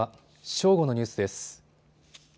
正午のニュースです。